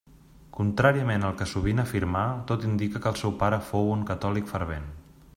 Contràriament al que sovint afirmà, tot indica que el seu pare fou un catòlic fervent.